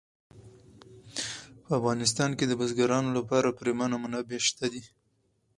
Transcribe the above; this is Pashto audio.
په افغانستان کې د بزګانو لپاره پریمانه منابع شته دي.